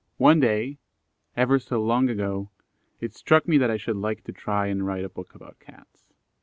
_ One day, ever so long ago, it struck me that I should like to try and write a book about Cats.